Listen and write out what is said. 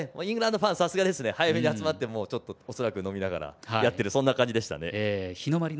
イングランドファンさすがでしたね、早めに集まって恐らく飲みながらやってるそんな感じでしたね。